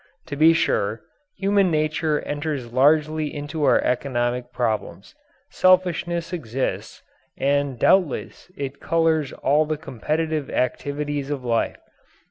To be sure, human nature enters largely into our economic problems. Selfishness exists, and doubtless it colours all the competitive activities of life.